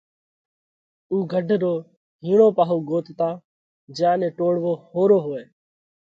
اُو گھڍ رو هِيڻو پاهو ڳوتتا جيا نئہ ٽوڙوو ۿورو هوئہ۔